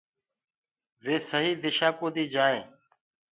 وي سهيٚ دِشآ ڪوديٚ جآئين۔